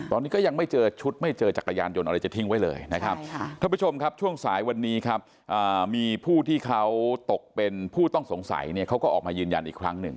ตอนนี้ก็ยังไม่เจอชุดไม่เจอจักรยานยนต์อะไรจะทิ้งไว้เลยนะครับท่านผู้ชมครับช่วงสายวันนี้ครับมีผู้ที่เขาตกเป็นผู้ต้องสงสัยเนี่ยเขาก็ออกมายืนยันอีกครั้งหนึ่ง